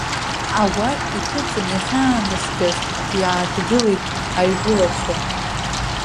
Агәашә иҭыҵын иахьаанаскьаз, иааҭгылеит аигәылацәа.